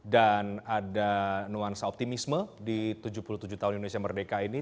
dan ada nuansa optimisme di tujuh puluh tujuh tahun indonesia merdeka ini